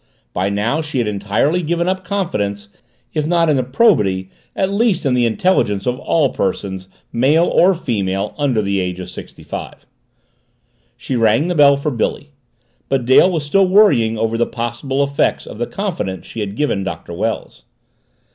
By now she had entirely given up confidence if not in the probity at least in the intelligence of all persons, male or female, under the age of sixty five. She rang the bell for Billy. But Dale was still worrying over the possible effects of the confidence she had given Doctor Wells.